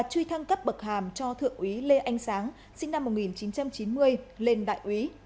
truy thăng cấp bậc hàm cho thượng úy lê anh sáng sinh năm một nghìn chín trăm chín mươi lên đại úy